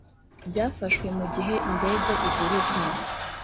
byafashwe mu gihe indege iguruka